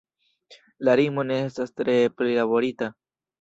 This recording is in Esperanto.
La rimo ne estas tre prilaborita.